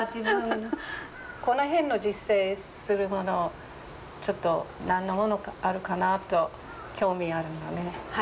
この辺の自生するものちょっと何のものがあるかなと興味あるのね。